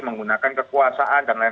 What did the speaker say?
menggunakan kekuasaan dan lain lain